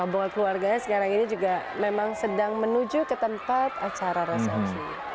dan juga bapak keluarganya sekarang ini juga memang sedang menuju ke tempat acara resepsi